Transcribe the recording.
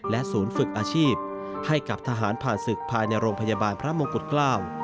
ศูนย์ฝึกอาชีพให้กับทหารผ่านศึกภายในโรงพยาบาลพระมงกุฎเกล้า